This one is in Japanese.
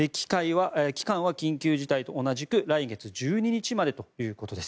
期間は緊急事態宣言と同じく来月１２日までということです。